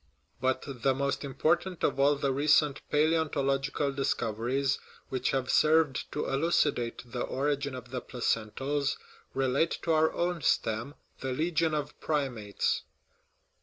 But the most important of all the recent palaeonto logical discoveries which have served to elucidate the origin of the placentals relate to our own stem, the legion of primates.